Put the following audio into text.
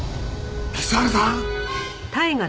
水原さん！？